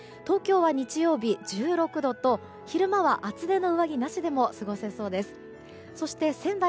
東京は日曜日１６度と昼間は厚手の上着なしでも過ごせそうです。